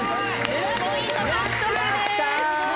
１０ポイント獲得です。